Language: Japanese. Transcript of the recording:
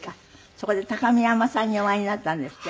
そこで高見山さんにお会いになったんですって？